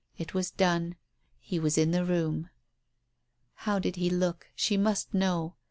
... It was done. He was in the room. How did he look ? She must know.